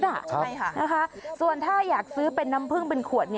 ใช่ค่ะนะคะส่วนถ้าอยากซื้อเป็นน้ำผึ้งเป็นขวด